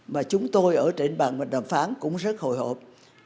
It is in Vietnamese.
và chúng tôi ở trên bàn bàn đàm phán cũng rất hồi hộp